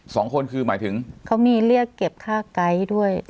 สองคนคือหมายถึงเขามีเรียกเก็บค่าไกด์ด้วย